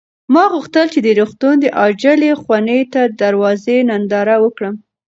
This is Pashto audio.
ما غوښتل چې د روغتون د عاجلې خونې د دروازې ننداره وکړم.